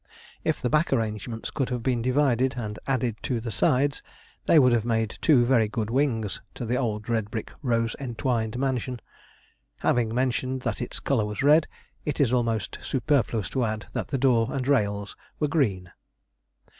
If the back arrangements could have been divided, and added to the sides, they would have made two very good wings to the old red brick rose entwined mansion. Having mentioned that its colour was red, it is almost superfluous to add that the door and rails were green.